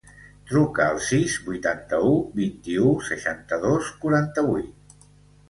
Truca al sis, vuitanta-u, vint-i-u, seixanta-dos, quaranta-vuit.